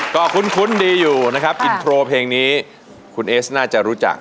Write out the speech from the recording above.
ก็คุ้นดีอยู่นะครับอินโทรเพลงนี้คุณเอสน่าจะรู้จัก